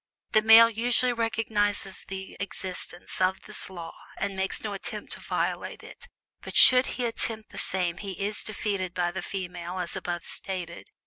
The male usually recognizes the existence of this law, and makes no attempt to violate it, but should he attempt the same he is defeated by the female as above stated.